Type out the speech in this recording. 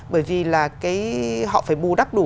bởi vì là họ phải bù đắp đủ